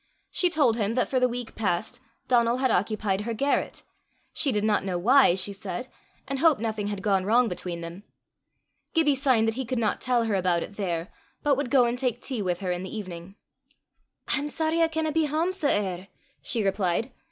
She told him that for the week past Donal had occupied her garret she did not know why, she said, and hoped nothing had gone wrong between them. Gibbie signed that he could not tell her about it there, but would go and take tea with her in the evening. "I'm sorry I canna be hame sae ear'," she replied.